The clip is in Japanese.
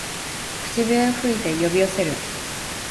口笛を吹いて呼び寄せる